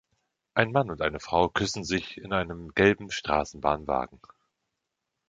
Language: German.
Ein Mann und eine Frau küssen sich in einem gelben Straßenbahnwagen.